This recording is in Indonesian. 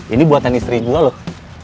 ini buatan istri gue loh